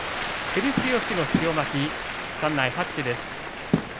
照強の塩まき、館内拍手です。